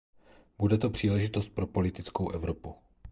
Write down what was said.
Bude to příležitost pro politickou Evropu.